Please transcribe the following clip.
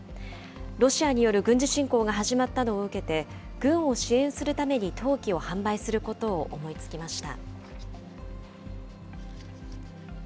ロシアによる軍事侵攻が始まったのを受けて、軍を支援するために陶器を販売することを思いつきました。